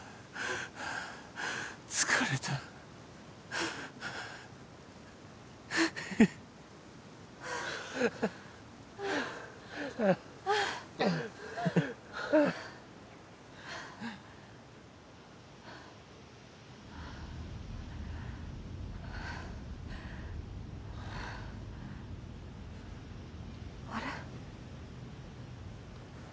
疲れたあれ？